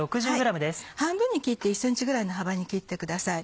半分に切って１ｃｍぐらいの幅に切ってください。